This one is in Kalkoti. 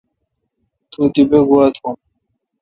تو تیپہ گوا تھون۔